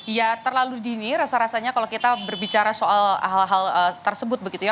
ya terlalu dini rasa rasanya kalau kita berbicara soal hal hal tersebut begitu ya